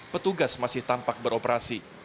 petugas masih tampak beroperasi